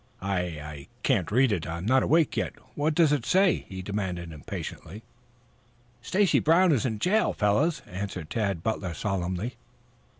"I I can't read it. I'm not awake yet. What does it say?" he demanded impatiently. "Stacy Brown is in jail, fellows," answered Tad Butler solemnly.